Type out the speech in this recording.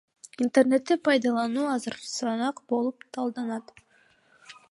Интернетти пайдалануу арзаныраак болуп калат.